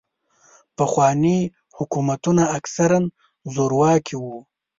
پخواني حکومتونه اکثراً زورواکي وو.